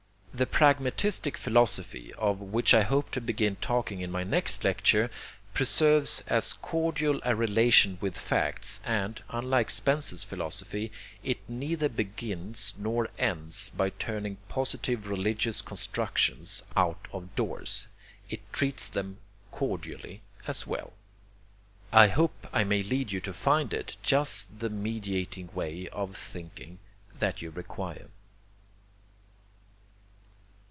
The pragmatistic philosophy of which I hope to begin talking in my next lecture preserves as cordial a relation with facts, and, unlike Spencer's philosophy, it neither begins nor ends by turning positive religious constructions out of doors it treats them cordially as well. I hope I may lead you to find it just the mediating way of thinking that you require.